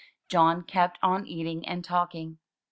John kept on eating and talking.